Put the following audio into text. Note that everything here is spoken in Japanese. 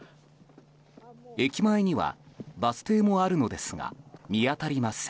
駅前にはバス停もあるのですが見当たりません。